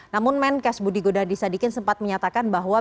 namun menkes budi godadisadikin sempat menyatakan bahwa